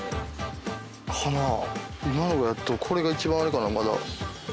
今のがやっとこれが一番あれかなまだ。